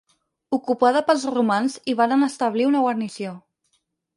Ocupada pels romans, hi varen establir una guarnició.